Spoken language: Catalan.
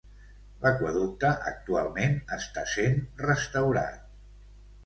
L'aqüeducte actualment està sent restaurat.